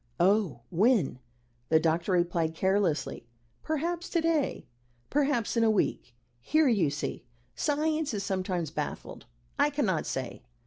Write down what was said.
"Oh! when?" the doctor replied carelessly. "Perhaps to day perhaps in a week. Here, you see, Science is sometimes baffled. I cannot say."